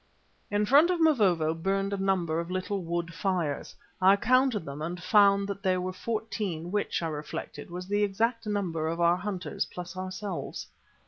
In front of Mavovo burned a number of little wood fires. I counted them and found that there were fourteen, which, I reflected, was the exact number of our hunters, plus ourselves.